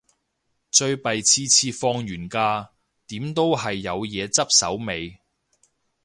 最弊次次放完假，點都係有嘢執手尾